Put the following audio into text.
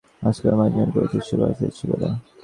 আজকাল মাঝে মাঝে কবিতায় সুর বসাতে ইচ্ছে করে।